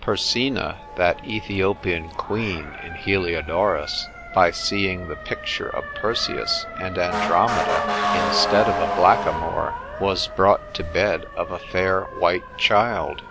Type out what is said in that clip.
Persina, that Ethiopian queen in Heliodorus, by seeing the picture of Persius and Andromeda, instead of a blackamoor, was brought to bed of a fair white child.